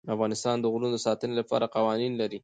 افغانستان د غرونه د ساتنې لپاره قوانین لري.